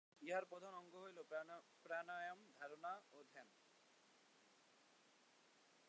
ইহার প্রধান অঙ্গ হইল প্রাণায়াম, ধারণা ও ধ্যান।